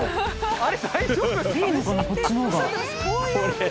あれ？